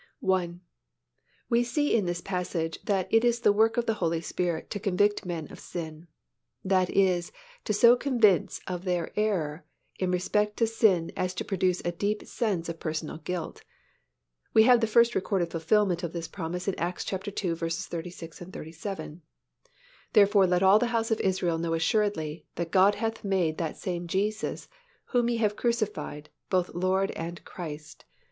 I. We see in this passage that it is the work of the Holy Spirit to convict men of sin. That is, to so convince of their error in respect to sin as to produce a deep sense of personal guilt. We have the first recorded fulfillment of this promise in Acts ii. 36, 37, "Therefore let all the house of Israel know assuredly, that God hath made that same Jesus, whom ye have crucified, both Lord and Christ.